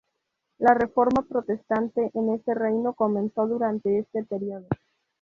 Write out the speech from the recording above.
La Reforma protestante en ese reino comenzó durante este período.